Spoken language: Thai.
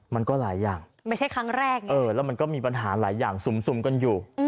มันก็หลายอย่างไม่ใช่ครั้งแรกนะเออแล้วมันก็มีปัญหาหลายอย่างซุ่มกันอยู่